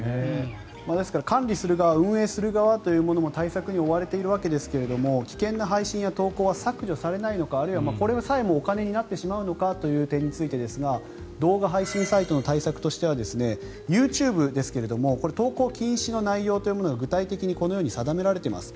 ですから管理する側運営する側も対策に追われているわけですが危険な配信や投稿は削除されないのかあるいはこれが最後お金になってしまうのかという点ですが動画配信サイトの対策としてはＹｏｕＴｕｂｅですけれどもこれは投稿禁止の内容を具体的にこのように定められています。